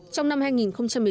trong năm hai nghìn một mươi chín